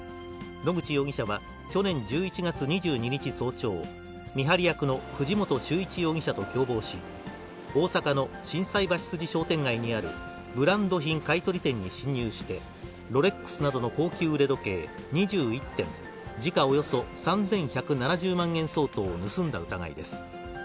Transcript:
野口容疑者は、去年１１月２２日早朝、見張り役の藤本宗一容疑者と共謀し、大阪の心斎橋筋商店街にあるブランド品買い取り店に侵入して、ロレックスなどの高級腕時計２１点、時価およそ３１７０万円相当を盗んだ疑いです。